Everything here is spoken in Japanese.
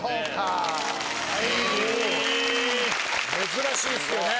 珍しいっすよね。